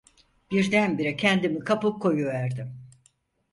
Birdenbire kendimi kapıp koyuverdim.